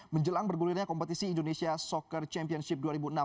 menjelang bergulirnya kompetisi indonesia soccer championship dua ribu enam belas